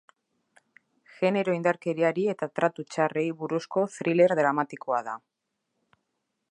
Genero indarkeriari eta tratu txarrei buruzko thriller dramatikoa da.